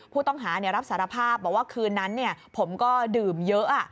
ผู้ต้องหารับสารภาพบอกว่าคืนนั้นผมก็ดื่มเยอะ